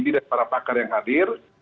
dan para pakar yang hadir